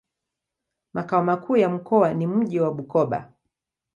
Makao makuu ya mkoa ni mji wa Bukoba.